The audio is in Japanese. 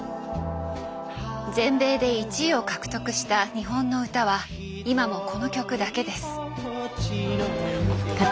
全米で１位を獲得した日本の歌は今もこの曲だけです。